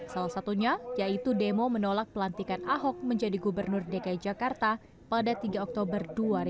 salah satunya yaitu demo menolak pelantikan ahok menjadi gubernur dki jakarta pada tiga oktober dua ribu dua puluh